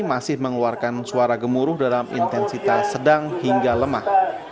masih mengeluarkan suara gemuruh dalam intensitas sedang hingga lemah